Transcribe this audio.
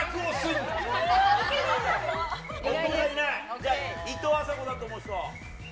じゃあいとうあさこだと思う人？